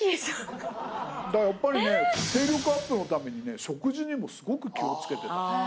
だからやっぱりね精力アップのためにね食事にもすごく気を付けてた。